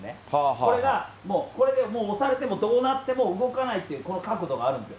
これがもう、これでもう押されてもどうなっても動かないっていうこの角度があるんですよ。